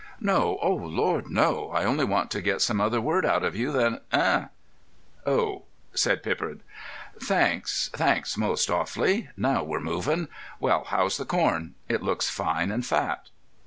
"No. Oh Lord, no! I only want to get some other word out of you than 'eh.'" "Oh," said Pippard. "Thanks. Thanks most awfully. Now we're moving.... Well, how's the corn? It looks fine and fat."